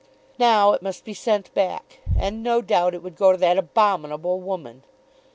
Now it must be sent back; and, no doubt, it would go to that abominable woman!